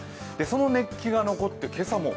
その熱気が残って今朝も。